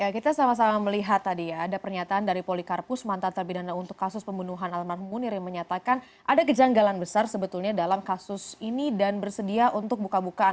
kita sama sama melihat tadi ya ada pernyataan dari polikarpus mantan terpidana untuk kasus pembunuhan almarhum munir yang menyatakan ada kejanggalan besar sebetulnya dalam kasus ini dan bersedia untuk buka bukaan